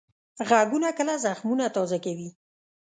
غږونه کله زخمونه تازه کوي